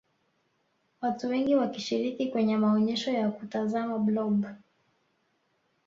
watu wengi wakishiriki kwenye maonyesho ya kumtazama blob